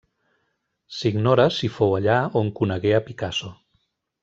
S'ignora si fou allà on conegué a Picasso.